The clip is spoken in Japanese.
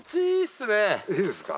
いいですか？